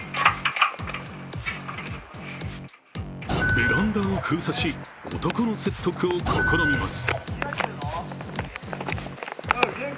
ベランダを封鎖し、男の説得を試みます。